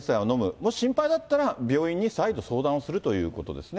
もし心配だったら、病院に再度相談をするということですね。